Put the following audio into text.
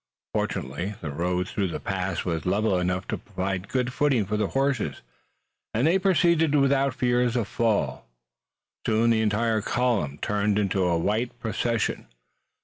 Fortunately, the road through the pass was level enough to provide good footing for the horses, and they proceeded without fear of falls. Soon the entire column turned into a white procession.